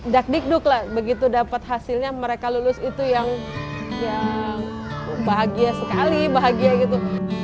dakdikduk lah begitu dapat hasilnya mereka lulus itu yang bahagia sekali bahagia gitu